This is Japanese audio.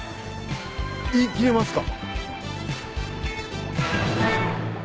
言いきれますか？